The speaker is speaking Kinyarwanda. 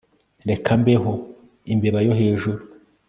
reka mbeho imbeba yo hejuru